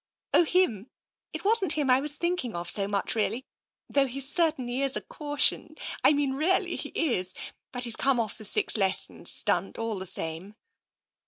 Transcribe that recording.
"Oh, him! It wasn't him I was thinking of so much, really, though he certainly is a caution. I mean, really he is. But he's come off the six lessons stunt, all the same."